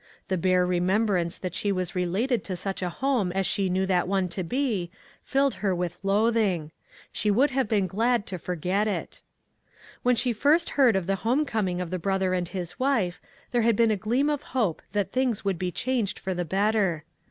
The bare remembrance that she was related to such a home as she knew that one to be, filled her with loathing. She would have been glad to forget it. 1 86 ONE COMMONPLACE DAY. When she first heard of the home coming of the brother and his wife, there had been a gleam of hope that things would be changed for the better.